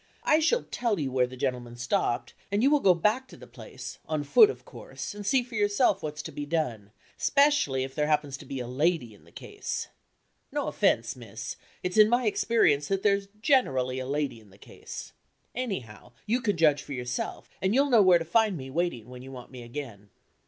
I shall tell you where the gentleman stopped; and you will go back to the place (on foot, of course), and see for yourself what's to be done, specially if there happens to be a lady in the case. No offense, miss; it's in my experience that there's generally a lady in the case. Anyhow, you can judge for yourself, and you'll know where to find me waiting when you want me again."